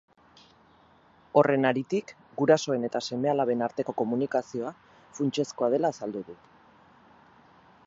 Horren haritik, gurasoen eta seme-alaben arteko komunikazioa funtsezkoa dela azaldu du.